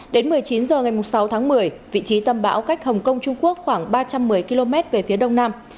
đến một mươi chín h ngày sáu tháng một mươi vị trí tâm bão cách hồng kông trung quốc khoảng ba trăm một mươi km về phía đông nam